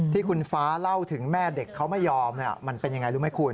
ที่คุณฟ้าเล่าถึงแม่เด็กเขาไม่ยอมมันเป็นยังไงรู้ไหมคุณ